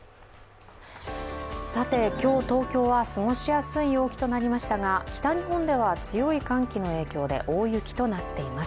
さて、今日、東京は過ごしやすい陽気となりましたが、北日本では強い寒気の影響で大雪となっています。